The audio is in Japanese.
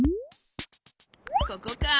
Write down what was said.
ここか。